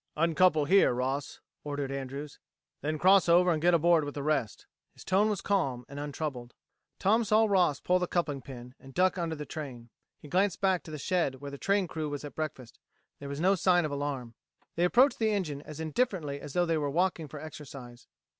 "Uncouple here, Ross," ordered Andrews. "Then cross over and get aboard with the rest." His tone was calm and untroubled. Tom saw Ross pull the coupling pin, and duck under the train. He glanced back to the shed where the train crew was at breakfast. There was no sign of alarm. They approached the engine as indifferently as though they were walking for exercise.